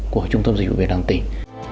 của trung tâm dịch vụ việc làm tỉnh